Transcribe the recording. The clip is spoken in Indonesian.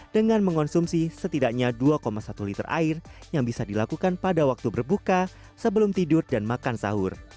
dengan mengonsumsi setidaknya dua satu liter air yang bisa dilakukan pada waktu berbuka sebelum tidur dan makan sahur